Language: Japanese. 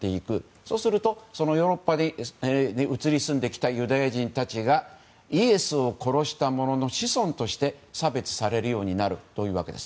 そうすると、そのヨーロッパに移り住んできたユダヤ人たちがイエスを殺した者の子孫として差別されるようになるというわけです。